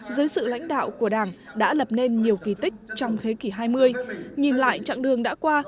dưới sự lãnh đạo của đảng đã lập nên nhiều kỳ tích trong thế kỷ hai mươi nhìn lại chặng đường đã qua